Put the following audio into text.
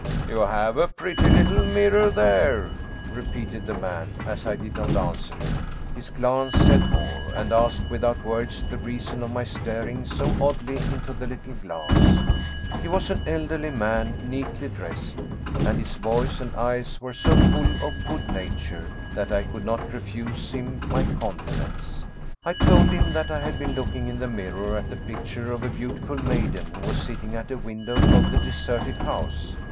" You have a pretty little mirror there," repeated the man, as I did not answer him. His glance said more, and asked without words the reason of my staring so oddly into the little glass. He was an elderly man, neatly dressed, and his voice and eyes were so full of good nature that I could not refuse him my confidence. I told him that I had been looking in the mirror at the picture of a beautiful maiden who was sitting at a window of the deserted house.